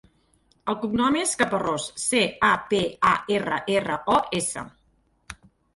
El cognom és Caparros: ce, a, pe, a, erra, erra, o, essa.